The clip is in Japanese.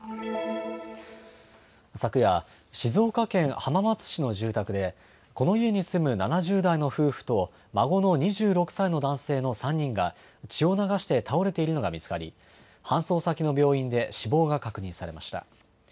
昨夜、静岡県浜松市の住宅でこの家に住む７０代の夫婦と孫の２６歳の男性の３人が血を流して倒れているのが見つかり搬送先の病院で死亡が確認されました。